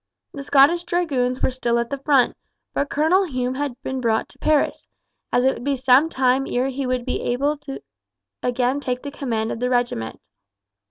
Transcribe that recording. The Scottish Dragoons were still at the front; but Colonel Hume had been brought to Paris, as it would be some time ere he would be able again to take the command of the regiment.